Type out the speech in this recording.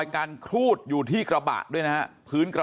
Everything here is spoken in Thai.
แล้วก็ยัดลงถังสีฟ้าขนาด๒๐๐ลิตร